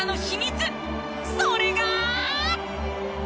それが。